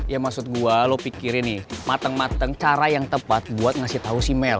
ya maksud gue lo pikirin nih mateng mateng cara yang tepat buat ngasih tau si mel